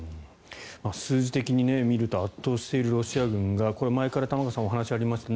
数字的に見ると圧倒しているロシア軍がこれは前から玉川さん、お話がありました